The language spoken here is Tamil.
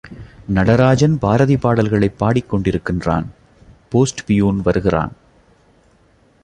நடராஜன் பாரதி பாடல்களைப் பாடிக்கொண்டிருக்கின்றான், போஸ்டு பியூன் வருகிறான்.